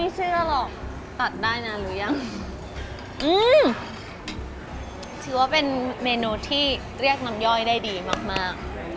เชื่อหรอกตัดได้นานหรือยังถือว่าเป็นเมนูที่เรียกน้ำย่อยได้ดีมากมาก